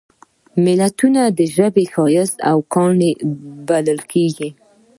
متلونه د ژبې ښایست او ګاڼه بلل کیږي